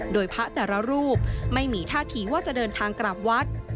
โดยพระแต่ละรูปไม่มีท่าทีว่าจะเดินทางกลับวัด